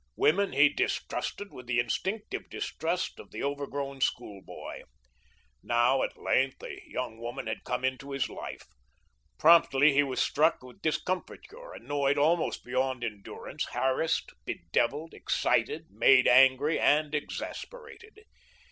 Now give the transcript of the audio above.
Women he distrusted with the instinctive distrust of the overgrown schoolboy. Now, at length, a young woman had come into his life. Promptly he was struck with discomfiture, annoyed almost beyond endurance, harassed, bedevilled, excited, made angry and exasperated.